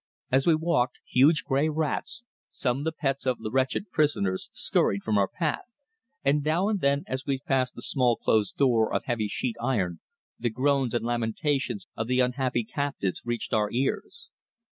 As we walked huge grey rats, some the pets of the wretched prisoners, scurried from our path, and now and then as we passed the small closed door of heavy sheet iron the groans and lamentations of the unhappy captives reached our ears.